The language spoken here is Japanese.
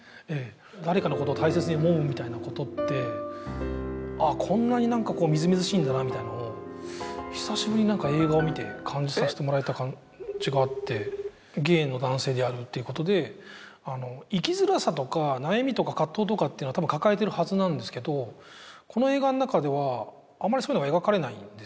誰かのことを大切に思うみたいなことってあこんなになんかみずみずしいんだなみたいなのを久しぶりになんか映画を見て感じさせてもらえた感じがあってゲイの男性であるということで生きづらさとか悩みとか葛藤とかってのは多分抱えてるはずなんですけどこの映画の中ではあまりそういうのが描かれないんですよね